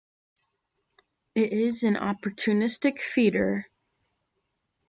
It is an opportunistic feeder.